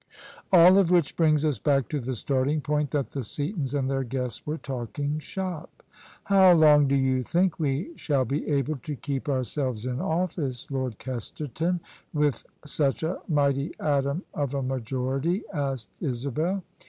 All of which brings us back to the starting point that the Seatons and their guests were talking shop. " How long do you think we shall be able to keep our selves in office. Lord Kesterton, with such a mighty atom of a majority? " asked Isabel.